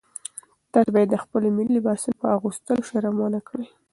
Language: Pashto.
تاسي باید د خپلو ملي لباسونو په اغوستلو شرم ونه کړئ.